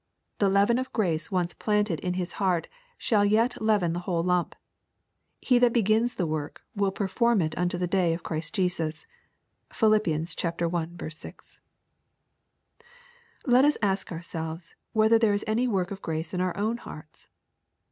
The leaven of grace once planted in his heart, shall yet leaven the whole lump, " He that begins the work, will perform it unto the day of Jesus Christ.'' (Phil. i. 6.) Let us ask ourselves whether there is any work of grace in our own hearts.